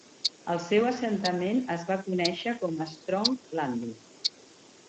El seu assentament es va conèixer com a Strong's Landing.